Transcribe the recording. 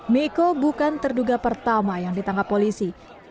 miko bukan terduga pertama yang ditangkap polisi